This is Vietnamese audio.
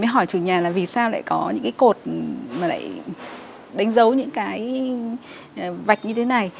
hỏi chủ nhà là vì sao lại có những cái cột mà lại đánh dấu những cái vạch như thế này